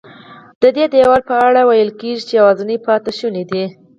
ددې دیوال په اړه ویل کېږي چې یوازینی پاتې شونی دی.